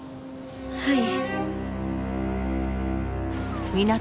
はい。